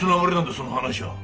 その話は。